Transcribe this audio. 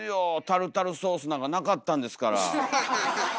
タルタルソースなんかなかったんですから。